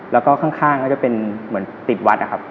แล้วก็ข้างก็จะเป็นเหมือนติดวัดนะครับ